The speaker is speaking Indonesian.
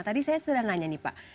tadi saya sudah nanya nih pak